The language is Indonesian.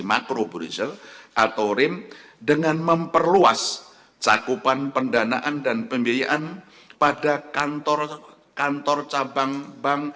makroborizel atau rem dengan memperluas cakupan pendanaan dan pembiayaan pada kantor cabang bank